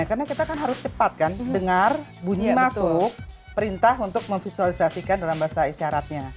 karena kita kan harus cepat kan dengar bunyi masuk perintah untuk memvisualisasikan dalam bahasa isyaratnya